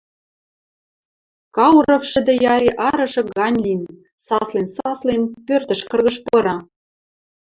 Кауров шӹдӹ яре арышы гань лин, саслен-саслен, пӧртӹш кыргыж пыра...